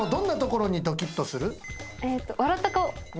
笑った顔。